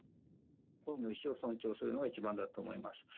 本人の意思を尊重するのが一番だと思います。